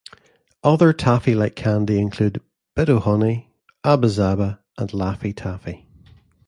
Other taffy-like candy include Bit-O-Honey, Abba-Zaba, and Laffy Taffy.